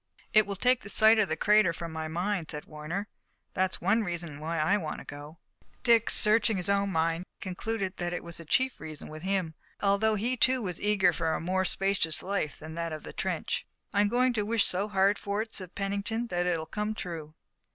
"It will take the sight of the crater from my mind," said Warner. "That's one reason why I want to go." Dick, searching his own mind, concluded it was the chief reason with him, although he, too, was eager enough for a more spacious life than that of the trench. "I'm going to wish so hard for it," said Pennington, "that it'll come true."